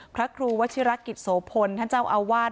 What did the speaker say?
พระครูวชิรกิตโสพลันทร์ท่านเจ้าอวาท